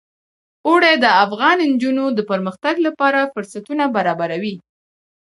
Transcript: اوړي د افغان نجونو د پرمختګ لپاره فرصتونه برابروي.